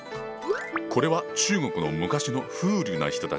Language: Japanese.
これは中国の昔の風流な人たちを描いた絵。